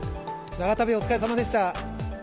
長旅お疲れさまでした。